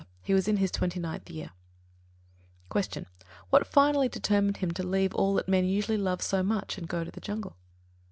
He was in his twenty ninth year. 34. Q. _What finally determined him to leave all that men usually love so much and go to the jungle?